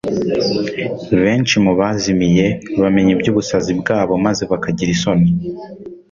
Benshi mu bazimiye bamenya iby'ubusazi bwabo maze bakagira isoni.